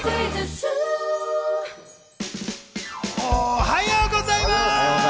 おはようございます。